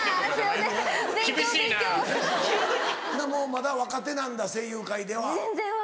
まだ若手なんだ声優界では。